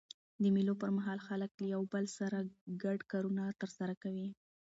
د مېلو پر مهال خلک له یو بل سره ګډ کارونه ترسره کوي.